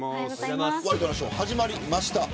ワイドナショー始まりました。